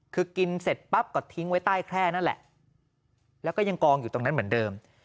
คือกินเสร็จปั๊บก็ทิ้งไว้ใต้แคร่นั่นแหละแล้วก็ยังกองอยู่ตรงนั้นเหมือนเดิม